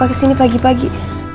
ada apa kesini pagi pagi